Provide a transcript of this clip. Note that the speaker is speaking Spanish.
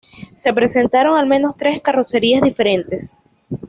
Se presentaron al menos tres carrocerías diferentes.